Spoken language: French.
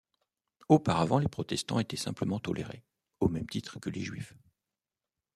Auparavant, les protestants étaient simplement tolérés, au même titre que les Juifs.